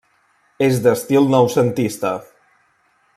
És d'estil noucentista.